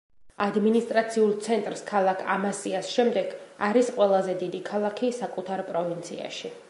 ადმინისტრაციულ ცენტრ, ქალაქ ამასიას შემდეგ, არის ყველაზე დიდი ქალაქი საკუთარ პროვინციაში.